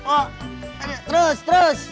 oh terus terus